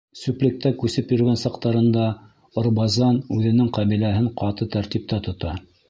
Сүллектә күсеп йөрөгән саҡтарында Орбазан үҙенең ҡәбиләһен ҡаты тәртиптә тота.